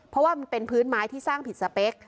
เพราะว่ามันเป็นพื้นไม้ที่สร้างผิดสเปค